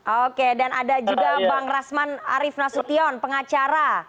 oke dan ada juga bang rasman arief nasution pengacara